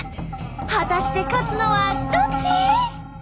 果たして勝つのはどっち！？